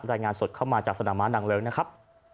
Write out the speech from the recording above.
รายงานสดเข้ามาจากสนามม้านางเลิ้งนะครับ